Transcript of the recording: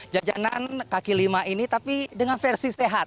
jajanan kaki lima ini tapi dengan versi sehat